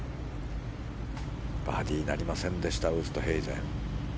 バーディーになりませんでしたウーストヘイゼン。